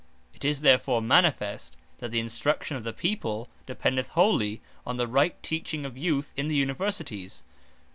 It is therefore manifest, that the Instruction of the people, dependeth wholly, on the right teaching of Youth in the Universities.